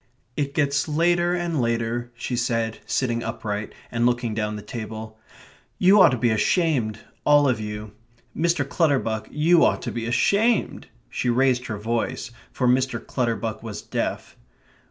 "It gets later and later," she said, sitting upright, and looking down the table. "You ought to be ashamed all of you. Mr. Clutterbuck, you ought to be ashamed." She raised her voice, for Mr. Clutterbuck was deaf.